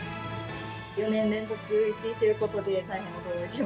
４年連続１位ということで、大変驚いてます。